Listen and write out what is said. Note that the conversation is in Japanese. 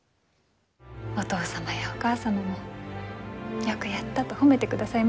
お義父やお義母様も「よくやった」と褒めてくださいますよ。